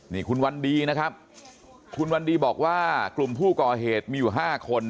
นี่คุณวันดีนะครับคุณวันดีบอกว่ากลุ่มผู้ก่อเหตุมีอยู่๕คน